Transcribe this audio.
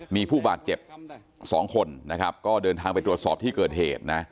มีผู้บาดเจ็บ๒คนนะครับก็เดินทางไปตรวจสอบที่เกิดเหตุนะ